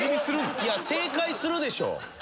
いや正解するでしょ。